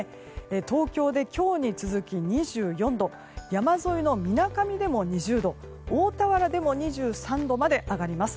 東京で今日に続き２４度山沿いのみなかみでも２０度大田原でも２３度まで上がります。